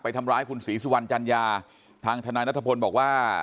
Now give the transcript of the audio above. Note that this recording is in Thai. ทำร้ายคุณศรีสุวรรณจัญญาทางทนายนัทพลบอกว่า